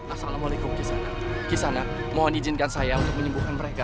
assalamualaikum kisana kisana mohon izinkan saya untuk menyembuhkan mereka